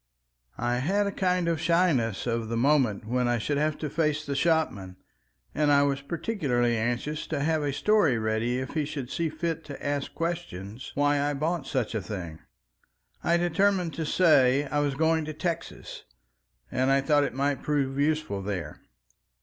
I had a kind of shyness of the moment when I should have to face the shopman, and I was particularly anxious to have a story ready if he should see fit to ask questions why I bought such a thing. I determined to say I was going to Texas, and I thought it might prove useful there.